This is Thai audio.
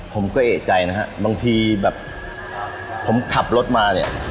ผมก็เอกใจนะฮะบางทีแบบผมขับรถมาเนี่ย